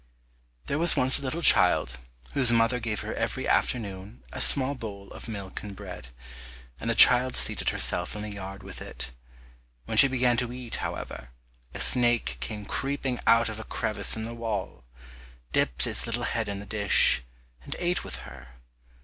There was once a little child whose mother gave her every afternoon a small bowl of milk and bread, and the child seated herself in the yard with it. When she began to eat however, a snake came creeping out of a crevice in the wall, dipped its little head in the dish, and ate with her.